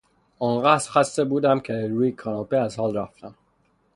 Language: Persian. آن قدر خسته بودم که روی کاناپه از حال رفتم.